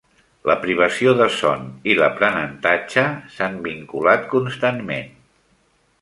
La privació de son i l'aprenentatge s'han vinculat constantment.